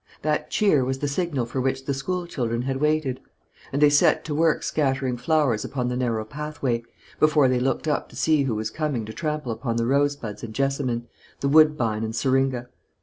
That cheer was the signal for which the school children had waited; and they set to work scattering flowers upon the narrow pathway, before they looked up to see who was coming to trample upon the rosebuds and jessamine, the woodbine and seringa.